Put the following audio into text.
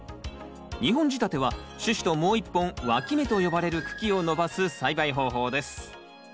２本仕立ては主枝ともう一本わき芽と呼ばれる茎を伸ばす栽培方法です。